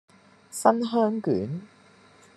新香卷